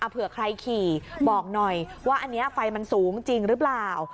เผื่อใครขี่บอกหน่อยว่าอันนี้ไฟมันสูงจริงหรือเปล่า